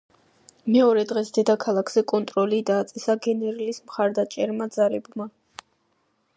მეორე დღეს დედაქალაქზე კონტროლი დააწესა გენერლის მხარდამჭერმა ძალებმა.